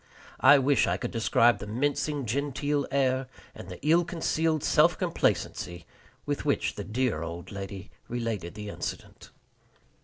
I wish I could describe the mincing genteel air, and the ill concealed self complacency, with which the dear old lady related the incident.